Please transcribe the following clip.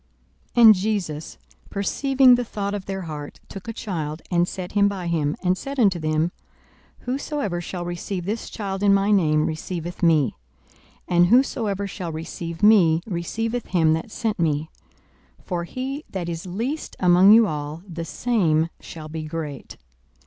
42:009:047 And Jesus, perceiving the thought of their heart, took a child, and set him by him, 42:009:048 And said unto them, Whosoever shall receive this child in my name receiveth me: and whosoever shall receive me receiveth him that sent me: for he that is least among you all, the same shall be great.